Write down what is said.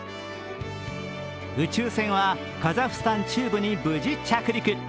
宇宙船はカザフスタン中部に無事着陸。